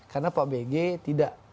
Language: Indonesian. karena pak bg tidak